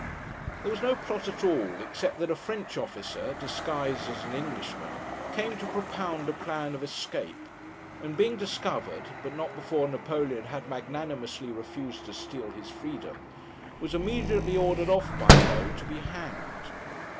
There was no plot at all, except that a French officer, disguised as an Englishman, came to propound a plan of escape; and being discovered, but not before Napoleon had magnanimously refused to steal his freedom, was immediately ordered off by Low to be hanged.